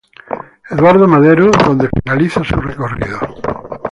Eduardo Madero, donde finaliza su recorrido.